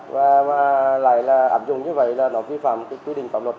và lại là áp dụng như vậy là nó vi phạm quyết định pháp luật